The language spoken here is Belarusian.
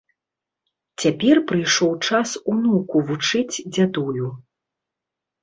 Цяпер прыйшоў час унуку вучыць дзядулю.